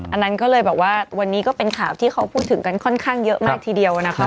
อันนั้นก็เลยบอกว่าวันนี้ก็เป็นข่าวที่เขาพูดถึงกันค่อนข้างเยอะมากทีเดียวนะคะ